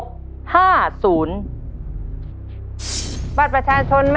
เลขบัตรประจำตัวประชาชนของยายไหมล่ะ